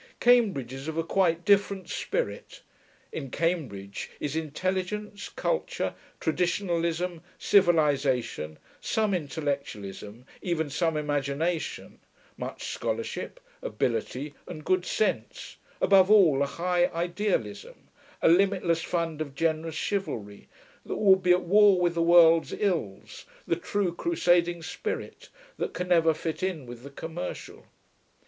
Cambridge is of a quite different spirit. In Cambridge is intelligence, culture, traditionalism, civilisation, some intellectualism, even some imagination, much scholarship, ability, and good sense, above all a high idealism, a limitless fund of generous chivalry, that would be at war with the world's ills, the true crusading spirit, that can never fit in with the commercial.